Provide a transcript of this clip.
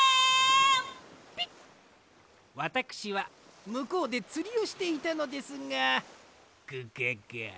ピッわたくしはむこうでつりをしていたのですがグガガ。